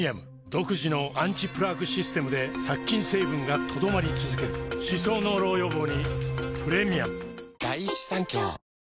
独自のアンチプラークシステムで殺菌成分が留まり続ける歯槽膿漏予防にプレミアム